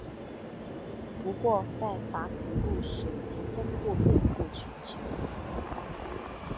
不过在泛古陆时其分布遍布全球。